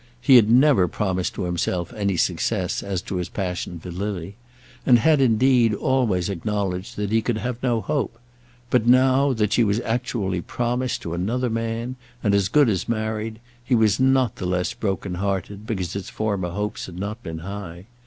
He had never promised to himself any success as to his passion for Lily, and had, indeed, always acknowledged that he could have no hope; but now, that she was actually promised to another man, and as good as married, he was not the less broken hearted because his former hopes had not been high.